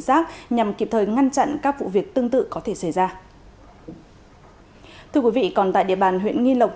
giác nhằm kịp thời ngăn chặn các vụ việc tương tự có thể xảy ra thưa quý vị còn tại địa bàn huyện nghi lộc